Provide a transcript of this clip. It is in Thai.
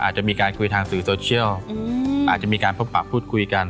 อาจจะมีการคุยทางสื่อโซเชียลอาจจะมีการพบปะพูดคุยกัน